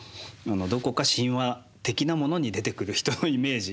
どこか神話的なものに出てくる人のイメージ？